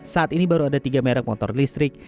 saat ini baru ada tiga merek motor listrik